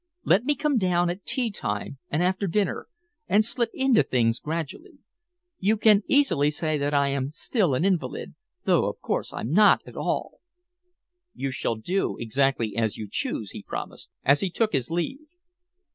Let me come down at tea time and after dinner, and slip into things gradually. You can easily say that I am still an invalid, though of course I'm not at all." "You shall do exactly as you choose," he promised, as he took his leave.